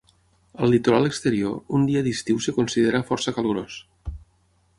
Al litoral exterior, un dia d'estiu es considera força calorós.